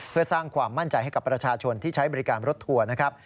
เพื่อสร้างความมั่นใจให้กับประชาชนที่ใช้บริการรถทัวร์นะครับ